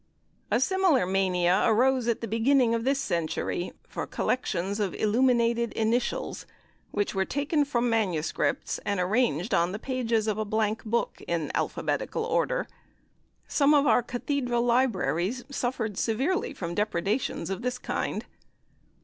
A similar mania arose at the beginning of this century for collections of illuminated initials, which were taken from MSS., and arranged on the pages of a blank book in alphabetical order. Some of our cathedral libraries suffered severely from depredations of this kind.